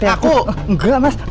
eh takut dong lo berdua ya